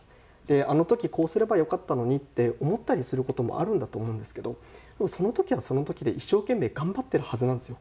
あの時こうすればよかったのにって思ったりすることもあるんだと思うんですけどその時はその時で一生懸命頑張ってるはずなんですよ。